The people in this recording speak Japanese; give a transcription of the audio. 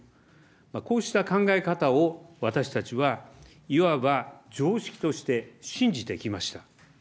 こうした考え方を私たちはいわば常識として信じてきました。